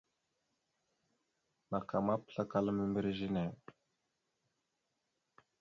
Naka ma, pəslakala membirez a ne.